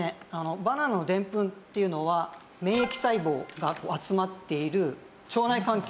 バナナのでんぷんっていうのは免疫細胞が集まっている腸内環境